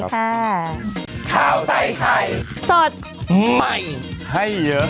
สวัสดีค่ะ